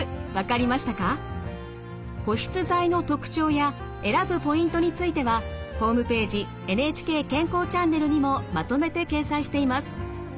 保湿剤の特徴や選ぶポイントについてはホームページ「ＮＨＫ健康チャンネル」にもまとめて掲載しています。